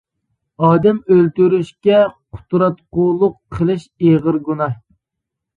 ئادەم ئۆلتۈرۈشكە قۇتراتقۇلۇق قىلىش ئېغىر گۇناھ.